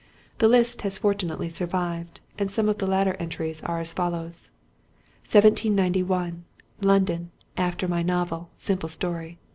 The list has fortunately survived, and some of the later entries are as follows:— 1791. London; after my novel, Simple Story